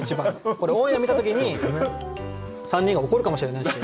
これオンエア見た時に３人が怒るかもしれないし。